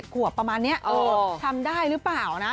ขวบประมาณนี้เออทำได้หรือเปล่านะ